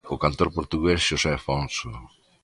O cantor portugués José Afonso.